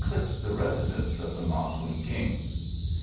25 eciujse the residence of the Moslem kings.